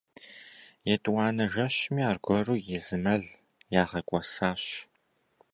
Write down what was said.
Етӏуанэ жэщми аргуэру и зы мэл ягъэкӏуэсащ.